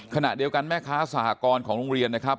ขณะเดียวกันแม่ค้าสหกรณ์ของโรงเรียนนะครับ